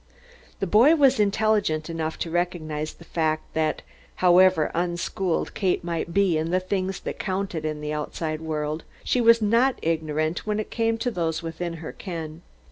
The boy was intelligent enough to recognize the fact that, however unschooled Kate might be in the things that counted in the outside world, she was not ignorant when it came to those within her ken.